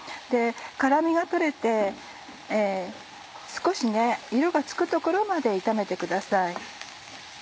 辛みが取れて少し色がつくところまで炒めてください。